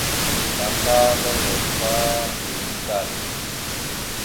Naaka ma nòŋgov ta nʉʉde kal.